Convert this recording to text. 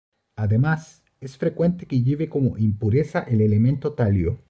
Además, es frecuente que lleve como impureza el elemento talio.